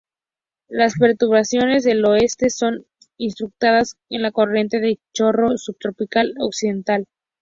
Las perturbaciones del oeste son incrustadas en la corriente en chorro subtropical occidental.